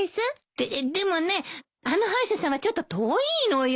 ででもねあの歯医者さんはちょっと遠いのよ。